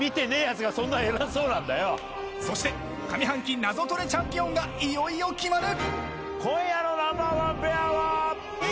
そして上半期ナゾトレチャンピオンがいよいよ決まる！